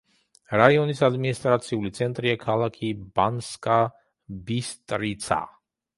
რაიონის ადმინისტრაციული ცენტრია ქალაქი ბანსკა-ბისტრიცა.